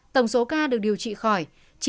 tổng số ca được điều trị khỏi